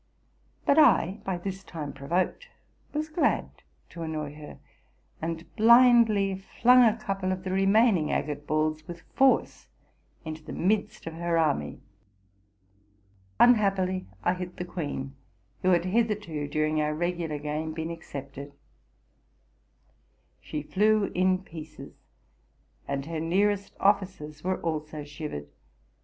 But I, by this time provoked, was glad to annoy her, and blindly flung a couple of the remaining agate balls with force into the midst of her army. Unhappily I hit the queen, who had hitherto, during our regular game, been excepted. She flew in pieces, and her nearest officers were also shivered.